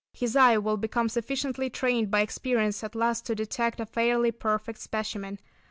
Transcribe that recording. His eye will become sufficiently trained by experience at last to detect a fairly perfect specimen.